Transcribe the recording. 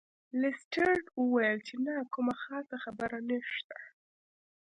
لیسټرډ وویل چې نه کومه خاصه خبره نشته.